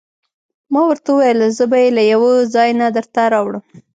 ما ورته وویل: زه به يې له یوه ځای نه درته راوړم.